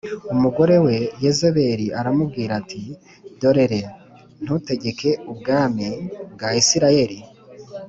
Umugore we Yezebeli aramubwira ati “Dorere, ntutegeka ubwami bwa Isirayeli?